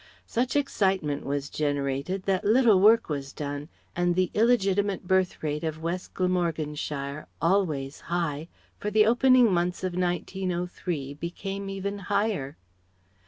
Such excitement was generated that little work was done, and the illegitimate birth rate of west Glamorganshire always high for the opening months of 1903 became even higher.